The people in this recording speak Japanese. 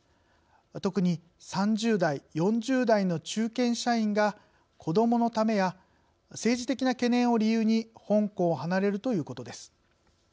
特に、３０代、４０代の中堅社員が「子どものため」や「政治的な懸念」を理由に香港を離れるということです。